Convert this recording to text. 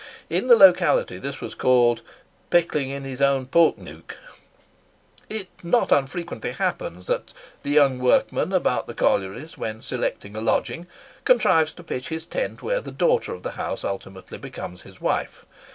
In the locality this was called "picklin in his awn poke neuk." It not unfrequently happens that the young workman about the collieries, when selecting a lodging, contrives to pitch his tent where the daughter of the house ultimately becomes his wife.